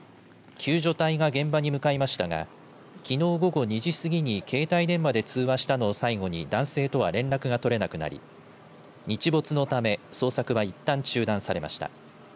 救助隊が現場に向かいましたがきのう午後２時過ぎに携帯電話で通話したのを最後に男性とは連絡が取れなくなり日没のため捜索はいったん中断されました。